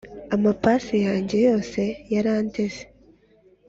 amapasi yanjye yose yarandenze